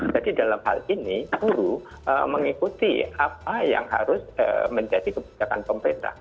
jadi dalam hal ini guru mengikuti apa yang harus menjadi kebijakan pemerintah